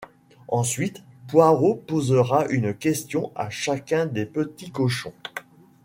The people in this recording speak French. Ensuite Poirot posera une question à chacun des petits cochons.